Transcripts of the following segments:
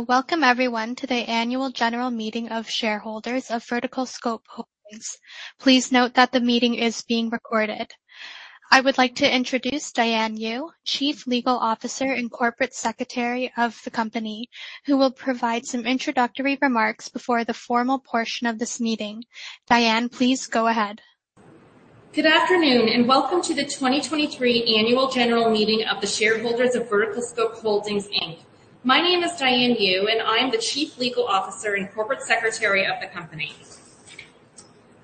Welcome everyone to the annual general meeting of shareholders of VerticalScope Holdings. Please note that the meeting is being recorded. I would like to introduce Diane Yu, Chief Legal Officer and Corporate Secretary of the company, who will provide some introductory remarks before the formal portion of this meeting. Diane, please go ahead. Good afternoon, and welcome to the 2023 annual general meeting of the shareholders of VerticalScope Holdings Inc. My name is Diane Yu, and I am the Chief Legal Officer and Corporate Secretary of the company.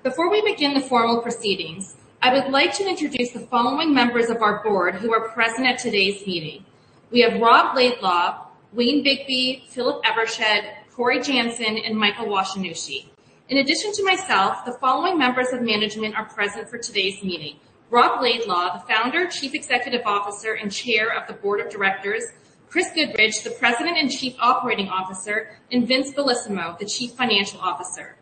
Before we begin the formal proceedings, I would like to introduce the following members of our board who are present at today's meeting. We have Rob Laidlaw, Wayne Bigby, Philip Evershed, Cory Janssen, and Michael Washinushi. In addition to myself, the following members of management are present for today's meeting: Rob Laidlaw, the founder, Chief Executive Officer, and Chair of the Board of Directors, Chris Goodridge, the President and Chief Operating Officer, and Vincenzo Bellissimo, the Chief Financial Officer.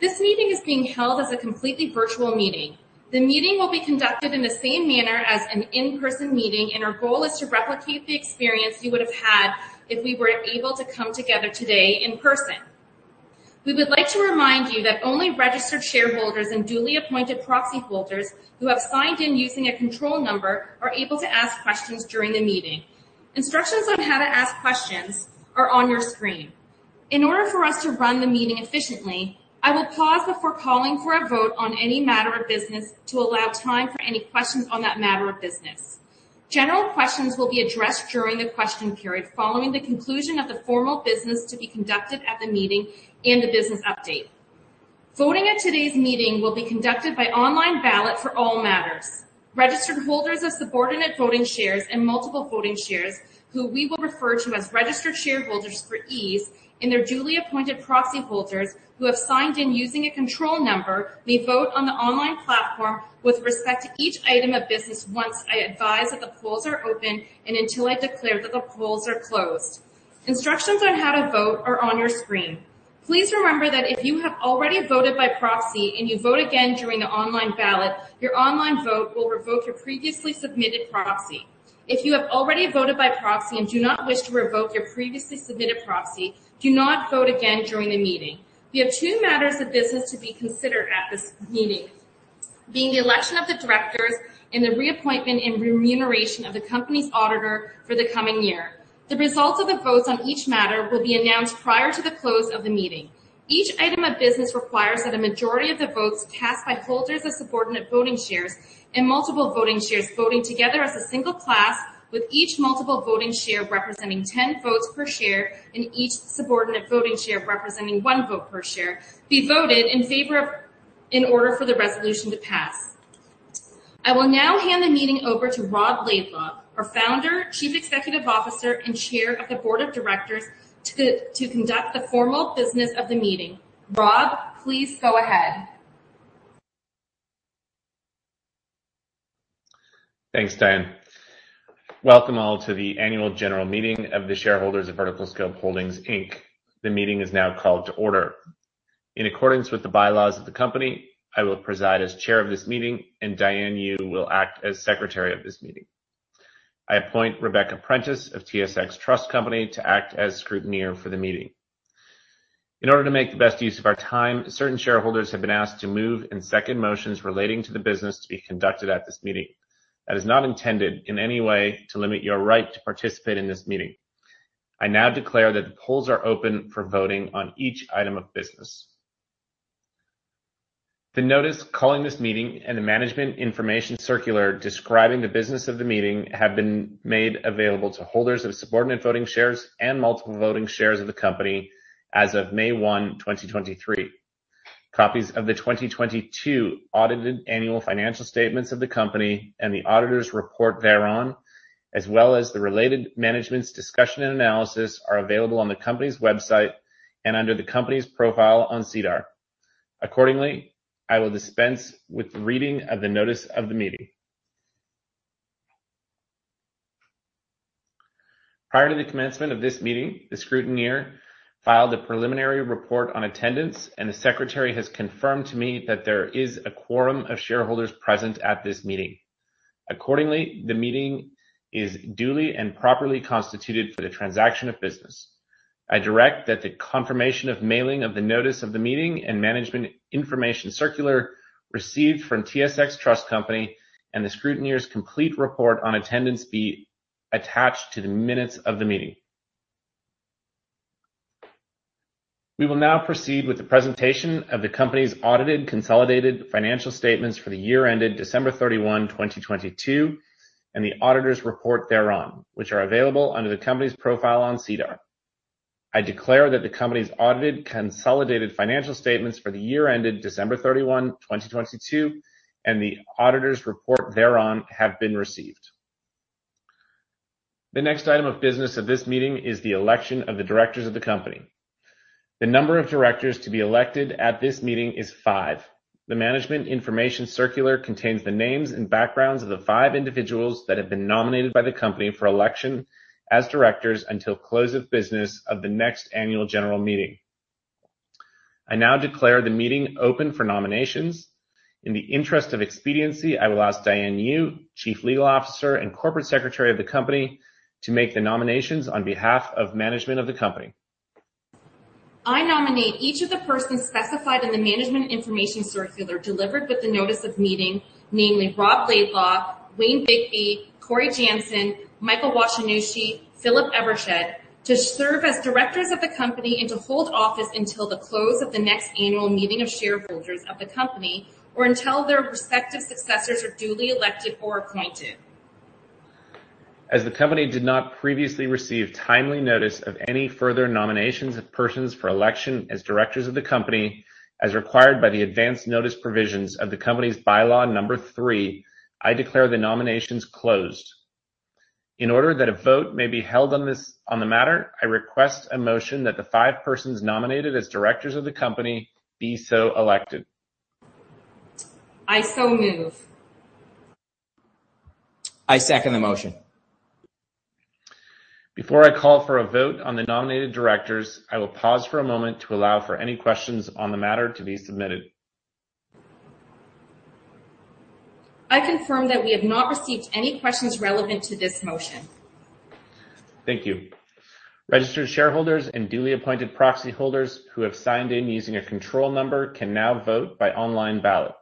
This meeting is being held as a completely virtual meeting. The meeting will be conducted in the same manner as an in-person meeting, and our goal is to replicate the experience you would have had if we were able to come together today in person. We would like to remind you that only registered shareholders and duly appointed proxy holders who have signed in using a control number are able to ask questions during the meeting. Instructions on how to ask questions are on your screen. In order for us to run the meeting efficiently, I will pause before calling for a vote on any matter of business to allow time for any questions on that matter of business. General questions will be addressed during the question period following the conclusion of the formal business to be conducted at the meeting and the business update. Voting at today's meeting will be conducted by online ballot for all matters. Registered holders of subordinate voting shares and multiple voting shares, who we will refer to as registered shareholders for ease, and their duly appointed proxy holders who have signed in using a control number, may vote on the online platform with respect to each item of business once I advise that the polls are open and until I declare that the polls are closed. Instructions on how to vote are on your screen. Please remember that if you have already voted by proxy and you vote again during the online ballot, your online vote will revoke your previously submitted proxy. If you have already voted by proxy and do not wish to revoke your previously submitted proxy, do not vote again during the meeting. We have two matters of business to be considered at this meeting, being the election of the directors and the reappointment and remuneration of the company's auditor for the coming year. The results of the votes on each matter will be announced prior to the close of the meeting. Each item of business requires that a majority of the votes cast by holders of subordinate voting shares and multiple voting shares voting together as a single class, with each multiple voting share representing ten votes per share and each subordinate voting share representing one vote per share, be voted in favor of in order for the resolution to pass. I will now hand the meeting over to Rob Laidlaw, our Founder, Chief Executive Officer, and Chair of the Board of Directors to conduct the formal business of the meeting. Rob, please go ahead. Thanks, Diane. Welcome all to the annual general meeting of the shareholders of VerticalScope Holdings Inc. The meeting is now called to order. In accordance with the bylaws of the company, I will preside as chair of this meeting, and Diane Yu will act as secretary of this meeting. I appoint Rebecca Prentice of TSX Trust Company to act as scrutineer for the meeting. In order to make the best use of our time, certain shareholders have been asked to move and second motions relating to the business to be conducted at this meeting. That is not intended in any way to limit your right to participate in this meeting. I now declare that the polls are open for voting on each item of business. The notice calling this meeting and the management information circular describing the business of the meeting have been made available to holders of subordinate voting shares and multiple voting shares of the company as of May 1, 2023. Copies of the 2022 audited annual financial statements of the company and the auditor's report thereon, as well as the related management's discussion and analysis, are available on the company's website and under the company's profile on SEDAR. Accordingly, I will dispense with the reading of the notice of the meeting. Prior to the commencement of this meeting, the scrutineer filed a preliminary report on attendance, and the secretary has confirmed to me that there is a quorum of shareholders present at this meeting. Accordingly, the meeting is duly and properly constituted for the transaction of business. I direct that the confirmation of mailing of the notice of the meeting and management information circular received from TSX Trust Company and the scrutineer's complete report on attendance be attached to the minutes of the meeting. We will now proceed with the presentation of the company's audited consolidated financial statements for the year ended December 31, 2022, and the auditor's report thereon, which are available under the company's profile on SEDAR. I declare that the company's audited consolidated financial statements for the year ended December 31, 2022, and the auditor's report thereon have been received. The next item of business of this meeting is the election of the directors of the company. The number of directors to be elected at this meeting is five. The management information circular contains the names and backgrounds of the five individuals that have been nominated by the company for election as directors until close of business of the next annual general meeting. I now declare the meeting open for nominations. In the interest of expediency, I will ask Diane Yu, Chief Legal Officer and Corporate Secretary of the company, to make the nominations on behalf of management of the company. I nominate each of the persons specified in the management information circular delivered with the notice of meeting, namely Rob Laidlaw, Wayne Bigby, Cory Janssen, Michael Washinushi, Philip Evershed, to serve as directors of the company and to hold office until the close of the next annual meeting of shareholders of the company, or until their respective successors are duly elected or appointed. As the company did not previously receive timely notice of any further nominations of persons for election as directors of the company, as required by the advance notice provisions of the company's Bylaw Number three, I declare the nominations closed. In order that a vote may be held on the matter, I request a motion that the 5 persons nominated as directors of the company be so elected. I so move. I second the motion. Before I call for a vote on the nominated directors, I will pause for a moment to allow for any questions on the matter to be submitted. I confirm that we have not received any questions relevant to this motion. Thank you. Registered shareholders and duly appointed proxy holders who have signed in using a control number can now vote by online ballot.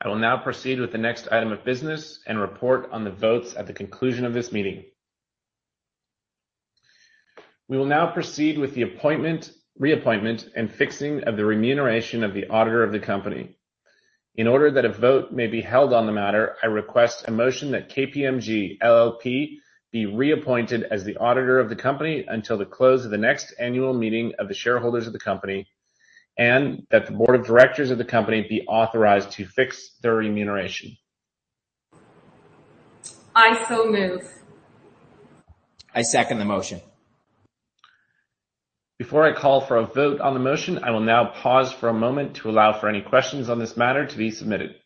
I will now proceed with the next item of business and report on the votes at the conclusion of this meeting. We will now proceed with the reappointment and fixing of the remuneration of the auditor of the company. In order that a vote may be held on the matter, I request a motion that KPMG LLP be reappointed as the auditor of the company until the close of the next annual meeting of the shareholders of the company, and that the board of directors of the company be authorized to fix their remuneration. I so move. I second the motion. Before I call for a vote on the motion, I will now pause for a moment to allow for any questions on this matter to be submitted.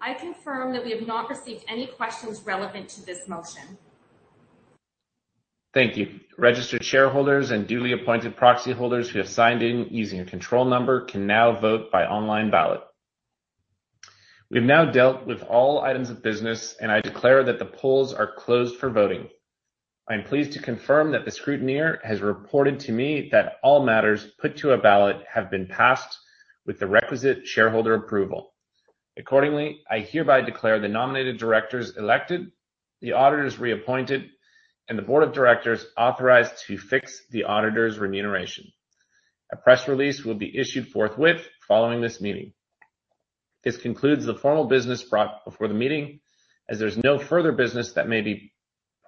I confirm that we have not received any questions relevant to this motion. Thank you. Registered shareholders and duly appointed proxy holders who have signed in using a control number can now vote by online ballot. We've now dealt with all items of business, and I declare that the polls are closed for voting. I'm pleased to confirm that the scrutineer has reported to me that all matters put to a ballot have been passed with the requisite shareholder approval. Accordingly, I hereby declare the nominated directors elected, the auditors reappointed, and the board of directors authorized to fix the auditors' remuneration. A press release will be issued forthwith following this meeting. This concludes the formal business brought before the meeting. As there's no further business that may be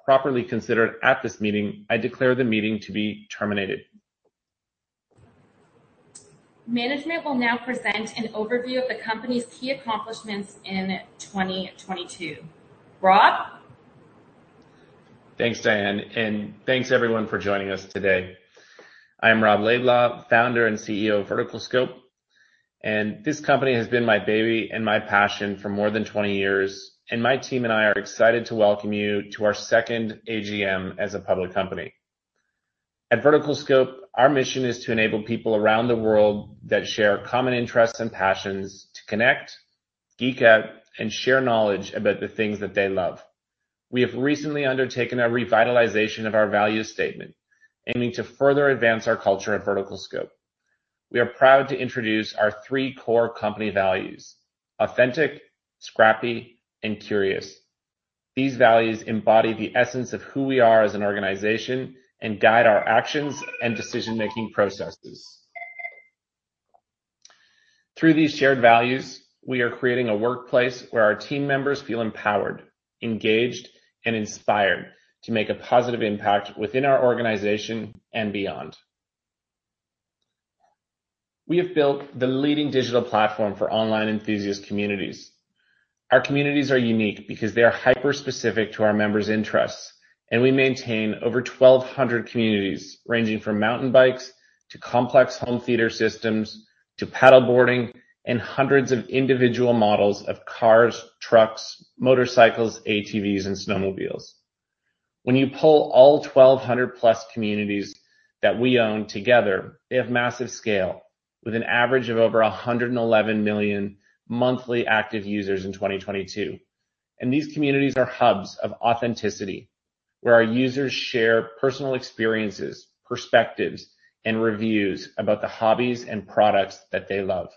properly considered at this meeting, I declare the meeting to be terminated. Management will now present an overview of the company's key accomplishments in 2022. Rob? Thanks, Diane, and thanks everyone for joining us today. I am Rob Laidlaw, founder and CEO of VerticalScope, and this company has been my baby and my passion for more than 20 years, and my team and I are excited to welcome you to our second AGM as a public company. At VerticalScope, our mission is to enable people around the world that share common interests and passions to connect, geek out, and share knowledge about the things that they love. We have recently undertaken a revitalization of our value statement, aiming to further advance our culture at VerticalScope. We are proud to introduce our three core company values, authentic, scrappy, and curious. These values embody the essence of who we are as an organization and guide our actions and decision-making processes. Through these shared values, we are creating a workplace where our team members feel empowered, engaged, and inspired to make a positive impact within our organization and beyond. We have built the leading digital platform for online enthusiast communities. Our communities are unique because they are hyper-specific to our members' interests, and we maintain over 1,200 communities, ranging from mountain bikes to complex home theater systems to paddle boarding and hundreds of individual models of cars, trucks, motorcycles, ATVs, and snowmobiles. When you pull all 1,200-plus communities that we own together, they have massive scale with an average of over 111 million monthly active users in 2022. These communities are hubs of authenticity, where our users share personal experiences, perspectives, and reviews about the hobbies and products that they love.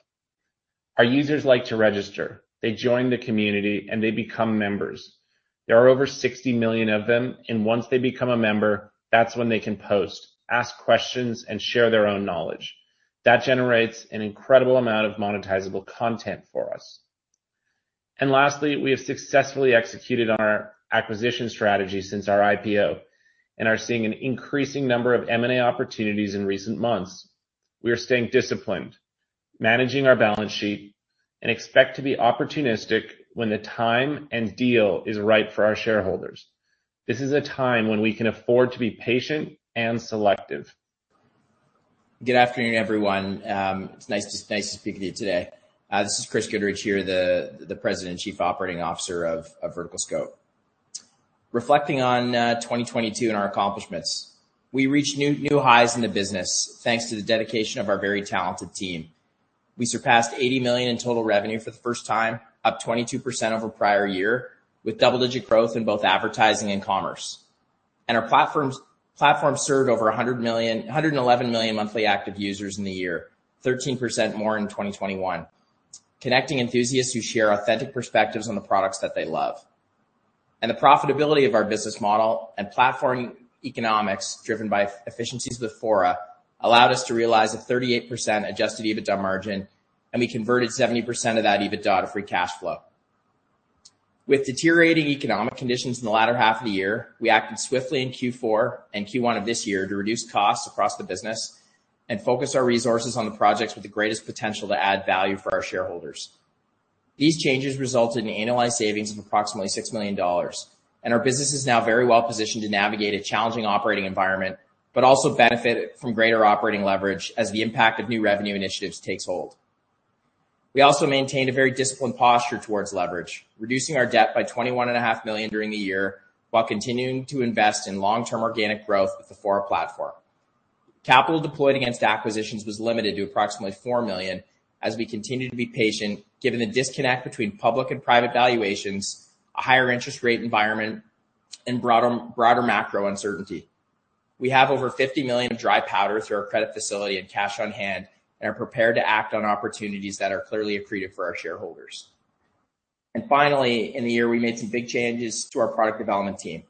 Our users like to register. They join the community, and they become members. There are over 60 million of them, and once they become a member, that's when they can post, ask questions, and share their own knowledge. That generates an incredible amount of monetizable content for us. Lastly, we have successfully executed on our acquisition strategy since our IPO and are seeing an increasing number of M&A opportunities in recent months. We are staying disciplined, managing our balance sheet, and expect to be opportunistic when the time and deal is right for our shareholders. This is a time when we can afford to be patient and selective. Good afternoon, everyone. It's nice speaking to you today. This is Chris Goodridge here, the President and Chief Operating Officer of VerticalScope. Reflecting on 2022 and our accomplishments, we reached new highs in the business, thanks to the dedication of our very talented team. We surpassed 80 million in total revenue for the first time, up 22% over prior year, with double-digit growth in both advertising and commerce. Our platform served over 111 million monthly active users in the year, 13% more in 2021, connecting enthusiasts who share authentic perspectives on the products that they love. The profitability of our business model and platform economics driven by efficiencies with Fora allowed us to realize a 38% adjusted EBITDA margin, and we converted 70% of that EBITDA to free cash flow. With deteriorating economic conditions in the latter half of the year, we acted swiftly in Q4 and Q1 of this year to reduce costs across the business and focus our resources on the projects with the greatest potential to add value for our shareholders. These changes resulted in annualized savings of approximately 6 million dollars, and our business is now very well positioned to navigate a challenging operating environment, but also benefit from greater operating leverage as the impact of new revenue initiatives takes hold. We also maintained a very disciplined posture towards leverage, reducing our debt by 21.5 million during the year while continuing to invest in long-term organic growth with the Fora platform. Capital deployed against acquisitions was limited to approximately 4 million as we continue to be patient, given the disconnect between public and private valuations, a higher interest rate environment, and broader macro uncertainty. We have over 50 million of dry powder through our credit facility and cash on hand, and are prepared to act on opportunities that are clearly accretive for our shareholders. Finally, in the year, we made some big changes to our product development team.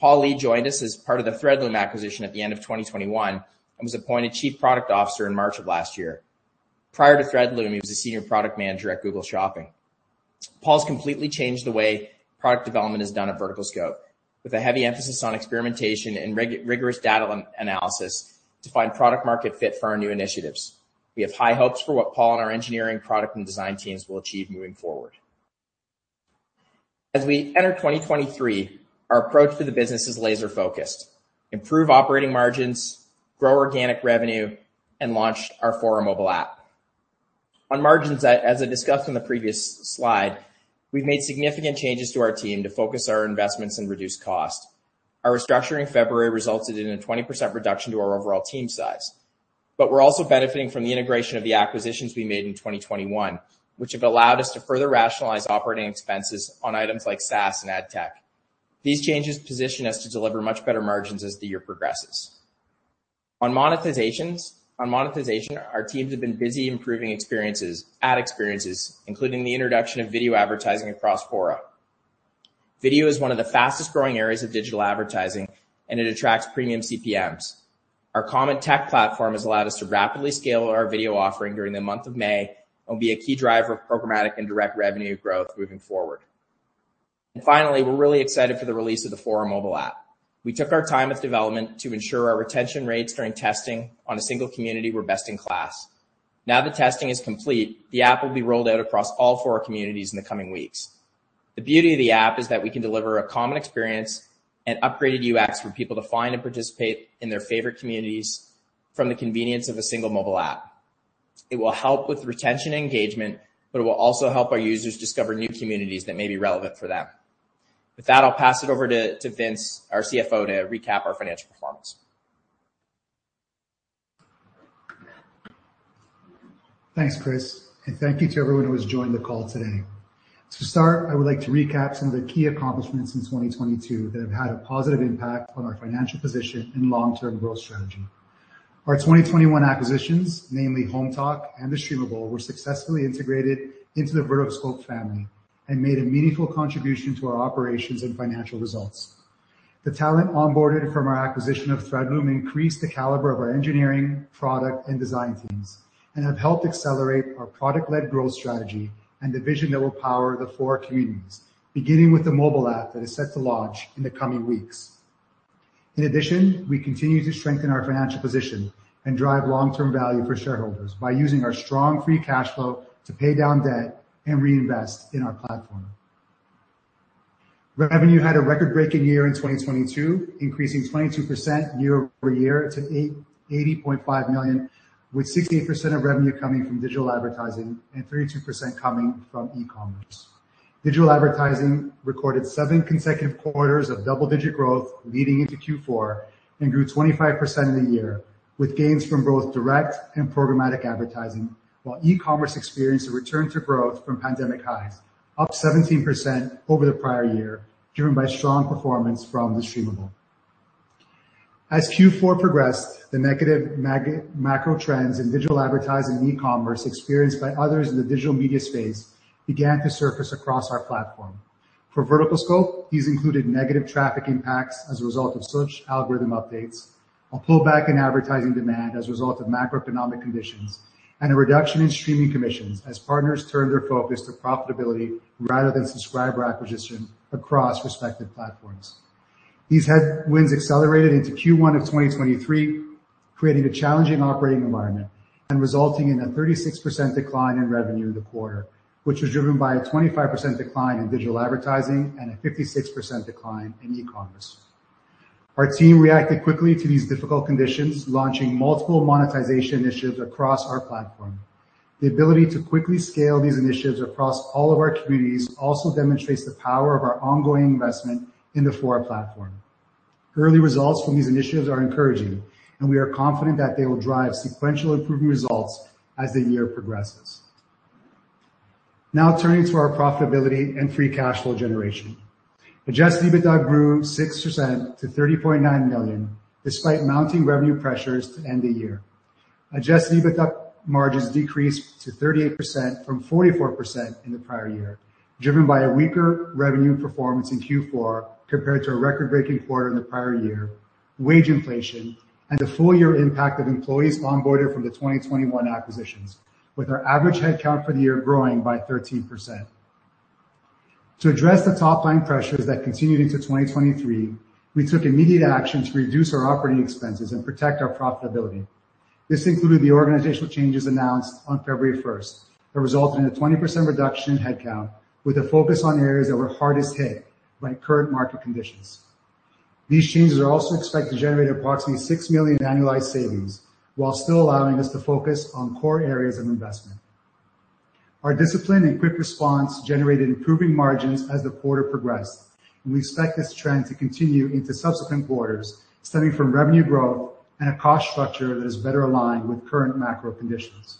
Paul Lee joined us as part of the Threadloom acquisition at the end of 2021 and was appointed Chief Product Officer in March of last year. Prior to Threadloom, he was a senior product manager at Google Shopping. Paul's completely changed the way product development is done at VerticalScope, with a heavy emphasis on experimentation and rigorous data analysis to find product-market fit for our new initiatives. We have high hopes for what Paul and our engineering, product, and design teams will achieve moving forward. As we enter 2023, our approach to the business is laser-focused. Improve operating margins, grow organic revenue, and launch our Fora mobile app. On margins, as I discussed on the previous slide, we've made significant changes to our team to focus our investments and reduce cost. Our restructuring in February resulted in a 20% reduction to our overall team size. We're also benefiting from the integration of the acquisitions we made in 2021, which have allowed us to further rationalize operating expenses on items like SaaS and ad tech. These changes position us to deliver much better margins as the year progresses. On monetization, our teams have been busy improving ad experiences, including the introduction of video advertising across Fora. Video is one of the fastest-growing areas of digital advertising, and it attracts premium CPMs. Our common tech platform has allowed us to rapidly scale our video offering during the month of May and will be a key driver of programmatic and direct revenue growth moving forward. Finally, we're really excited for the release of the Fora mobile app. We took our time with development to ensure our retention rates during testing on a single community were best in class. Now the testing is complete, the app will be rolled out across all four communities in the coming weeks. The beauty of the app is that we can deliver a common experience and upgraded UX for people to find and participate in their favorite communities from the convenience of a single mobile app. It will help with retention and engagement, but it will also help our users discover new communities that may be relevant for them. With that, I'll pass it over to Vince, our CFO, to recap our financial performance. Thanks, Chris, and thank you to everyone who has joined the call today. To start, I would like to recap some of the key accomplishments in 2022 that have had a positive impact on our financial position and long-term growth strategy. Our 2021 acquisitions, namely Hometalk and The Streamable, were successfully integrated into the VerticalScope family and made a meaningful contribution to our operations and financial results. The talent onboarded from our acquisition of Threadloom increased the caliber of our engineering, product, and design teams and have helped accelerate our product-led growth strategy and the vision that will power the four communities, beginning with the mobile app that is set to launch in the coming weeks. In addition, we continue to strengthen our financial position and drive long-term value for shareholders by using our strong free cash flow to pay down debt and reinvest in our platform. Revenue had a record-breaking year in 2022, increasing 22% year-over-year to 80.5 million, with 68% of revenue coming from digital advertising and 32% coming from e-commerce. Digital advertising recorded seven consecutive quarters of double-digit growth leading into fourth quarter and grew 25% in the year with gains from both direct and programmatic advertising, while e-commerce experienced a return to growth from pandemic highs, up 17% over the prior year, driven by strong performance from The Streamable. As Q4 progressed, the negative macro trends in digital advertising and e-commerce experienced by others in the digital media space began to surface across our platform. For VerticalScope, these included negative traffic impacts as a result of search algorithm updates, a pullback in advertising demand as a result of macroeconomic conditions, and a reduction in streaming commissions as partners turned their focus to profitability rather than subscriber acquisition across respective platforms. These headwinds accelerated into Q1 of 2023, creating a challenging operating environment and resulting in a 36% decline in revenue in the quarter, which was driven by a 25% decline in digital advertising and a 56% decline in e-commerce. Our team reacted quickly to these difficult conditions, launching multiple monetization initiatives across our platform. The ability to quickly scale these initiatives across all of our communities also demonstrates the power of our ongoing investment in the Fora platform. Early results from these initiatives are encouraging, and we are confident that they will drive sequential improving results as the year progresses. Now turning to our profitability and free cash flow generation. Adjusted EBITDA grew 6% to 30.9 million, despite mounting revenue pressures to end the year. Adjusted EBITDA margins decreased to 38% from 44% in the prior year, driven by a weaker revenue performance in Q4 compared to a record-breaking quarter in the prior year, wage inflation, and the full year impact of employees onboarded from the 2021 acquisitions. With our average head count for the year growing by 13%. To address the top-line pressures that continued into 2023, we took immediate action to reduce our operating expenses and protect our profitability. This included the organizational changes announced on February 1st that resulted in a 20% reduction in head count with a focus on areas that were hardest hit by current market conditions. These changes are also expected to generate approximately 6 million annualized savings, while still allowing us to focus on core areas of investment. Our discipline and quick response generated improving margins as the quarter progressed, and we expect this trend to continue into subsequent quarters, stemming from revenue growth and a cost structure that is better aligned with current macro conditions.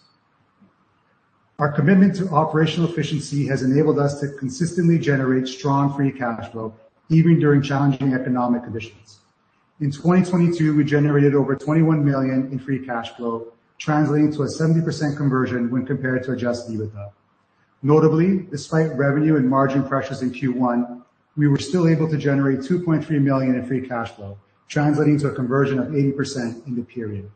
Our commitment to operational efficiency has enabled us to consistently generate strong free cash flow, even during challenging economic conditions. In 2022, we generated over 21 million in free cash flow, translating to a 70% conversion when compared to Adjusted EBITDA. Notably, despite revenue and margin pressures in Q1, we were still able to generate 2.3 million in free cash flow, translating to a conversion of 80% in the period.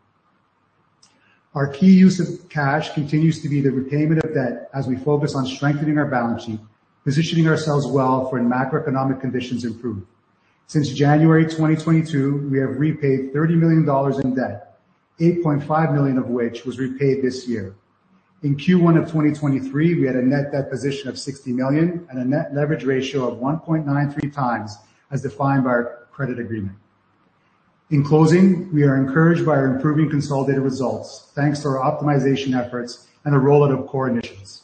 Our key use of cash continues to be the repayment of debt as we focus on strengthening our balance sheet, positioning ourselves well for when macroeconomic conditions improve. Since January 2022, we have repaid 30 million dollars in debt, 8.5 million of which was repaid this year. In Q1 of 2023, we had a net debt position of 60 million and a net leverage ratio of 1.93 times as defined by our credit agreement. In closing, we are encouraged by our improving consolidated results thanks to our optimization efforts and the roll-out of core initiatives.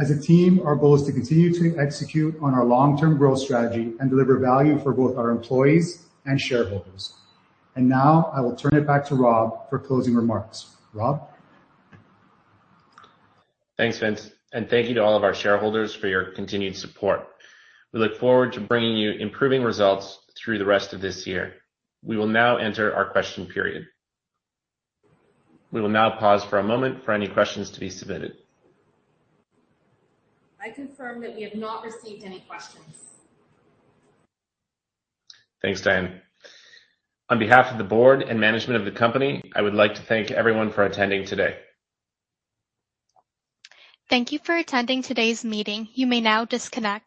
As a team, our goal is to continue to execute on our long-term growth strategy and deliver value for both our employees and shareholders. Now I will turn it back to Rob for closing remarks. Rob? Thanks, Vince, and thank you to all of our shareholders for your continued support. We look forward to bringing you improving results through the rest of this year. We will now enter our question period. We will now pause for a moment for any questions to be submitted. I confirm that we have not received any questions. Thanks, Diane. On behalf of the board and management of the company, I would like to thank everyone for attending today. Thank you for attending today's meeting. You may now disconnect